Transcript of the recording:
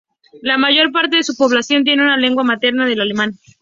La mayor parte de su población tiene por lengua materna el alemán.